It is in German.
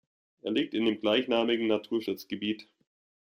Er liegt in dem gleichnamigen Naturschutzgebiet.